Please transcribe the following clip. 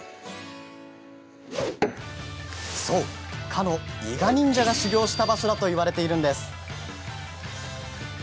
そう、かの伊賀忍者が修行した場所だといわれているんです。